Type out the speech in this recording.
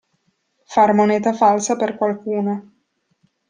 Far moneta falsa per qualcuno.